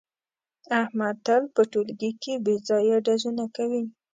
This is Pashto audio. احمد تل په ټولگي کې بې ځایه ډزونه کوي.